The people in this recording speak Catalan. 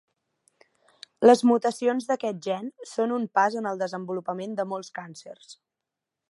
Les mutacions d'aquest gen són un pas en el desenvolupament de molts càncers.